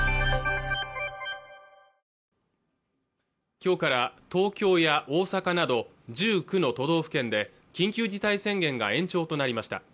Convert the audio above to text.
今日から東京や大阪など１９の都道府県で緊急事態宣言が延長となりました